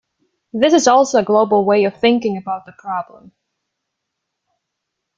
This is also a global way of thinking about the problem.